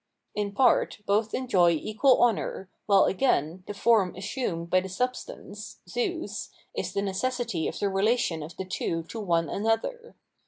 In part both enjoy equal honour, while again, the form assumed by the substance, Zeus, is the ne cessity of the relation of the two to one another.